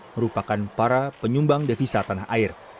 merupakan para penyumbang devisa tanah air